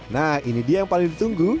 nah ini dia yang paling ditunggu